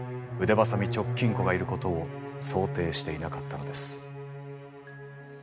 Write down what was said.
鋏直近子がいることを想定していなかったのです。